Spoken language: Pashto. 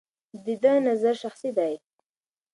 د ده نظر شخصي دی.